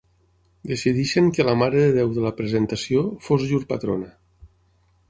Decideixen que la Mare de Déu de la Presentació fos llur patrona.